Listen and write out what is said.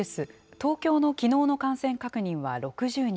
東京のきのうの感染確認は６０人。